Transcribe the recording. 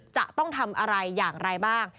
จะต้องทำอะไรอย่างไรบ้าง